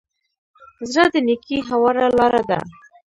زړه د نېکۍ هواره لاره ده.